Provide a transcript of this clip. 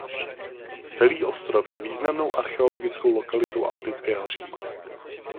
Celý ostrov je významnou archeologickou lokalitou antického Říma.